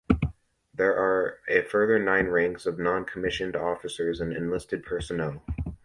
There are a further nine ranks of non-commissioned officers and enlisted personnel.